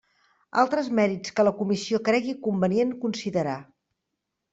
Altres mèrits que la Comissió cregui convenient considerar.